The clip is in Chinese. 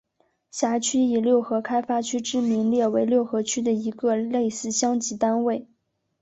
辖区以六合开发区之名列为六合区的一个类似乡级单位。